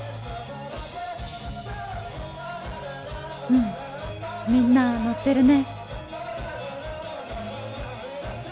うんみんなノってるね！